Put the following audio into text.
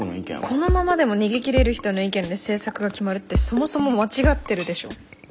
このままでも逃げ切れる人の意見で政策が決まるってそもそも間違ってるでしょ。